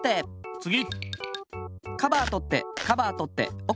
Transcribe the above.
つぎ！